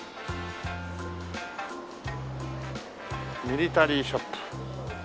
「ミリタリー・ショップ」